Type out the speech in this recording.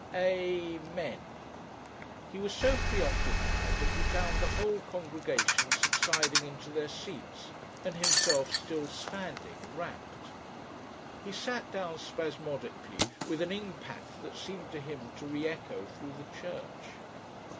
"A ... men." He was so preoccupied that he found the whole congregation subsiding into their seats, and himself still standing, rapt. He sat down spasmodically, with an impact that seemed to him to re echo through the church.